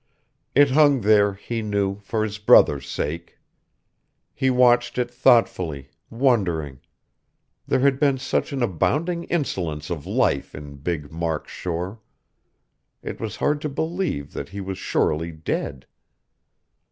It hung there, he knew, for his brother's sake. He watched it thoughtfully, wondering.... There had been such an abounding insolence of life in big Mark Shore.... It was hard to believe that he was surely dead.